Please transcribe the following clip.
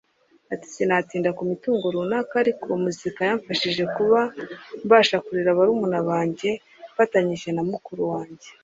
Ati " Sinatinda ku mitungo runaka ariko muzika yamfashije kuba mbasha kurera barumuna banjye mfatanyije na mukuru wanjye